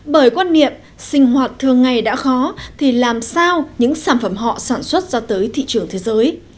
bởi quan niệm sinh hoạt thường ngày đã khó thì làm sao những sản phẩm họ sản xuất ra tới thị trường thế giới